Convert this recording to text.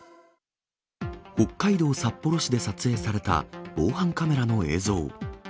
北海道札幌市で撮影された防犯カメラの映像。